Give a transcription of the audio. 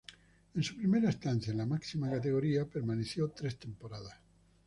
En su primera estancia en la máxima categoría permaneció tres temporadas.